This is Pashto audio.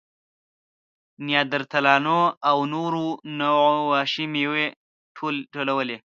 نیاندرتالانو او نورو نوعو وحشي مېوې ټولولې.